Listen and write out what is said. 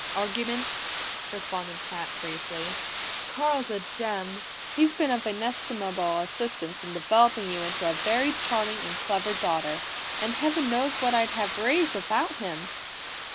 "Argument," responded Pat briefly. "Carl's a gem! He's been of inestimable assistance in developing you into a very charming and clever daughter, and Heaven knows what I'd have raised without him!"